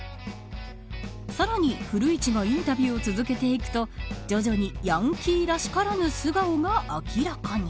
さらに、古市がインタビューを続けていくと徐々にヤンキーらしからぬ素顔が明らかに。